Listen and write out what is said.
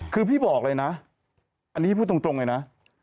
คือพี่บอกเลยนะอันนี้พูดตรงเลยนะ